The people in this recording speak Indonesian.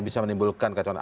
bisa menimbulkan kecohan